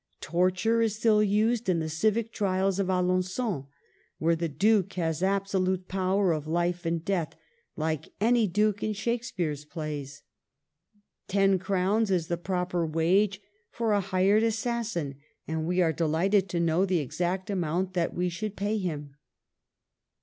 Torture is still used in the civic trials of Alengon, where the Duke has absolute power of life and death, like any duke in Shakspeare's plays. Ten crowns is the proper wage for a hired assassin; and we are delighted to know the exact amount that we should pay him.